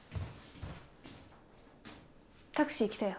タクシー来たよ。